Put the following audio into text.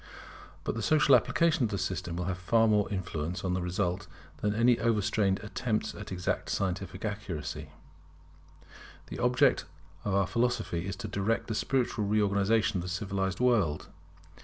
But the social application of the system will have far more influence on the result than any overstrained attempts at exact scientific accuracy. The object of our philosophy is to direct the spiritual reorganization of the civilized world.